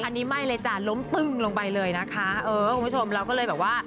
อันนี้ไม่เลยจ้ะล้มปึ้งลงไปเลยนะคะเออคุณผู้ชมเราก็เลยแบบว่า